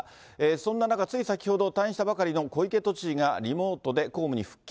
そんな中、つい先ほど、退院したばかりの小池都知事がリモートで公務に復帰。